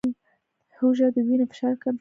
هوږه د وینې فشار کنټرولوي